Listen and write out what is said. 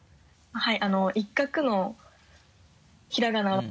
はい。